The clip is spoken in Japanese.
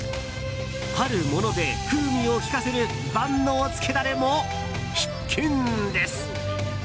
あるもので風味を効かせる万能つけダレも必見です。